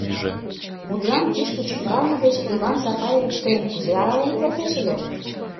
Мутлан, кишке чӱҥгалме деч Иван Сапаевич тыйым кузе арален кертеш ыле?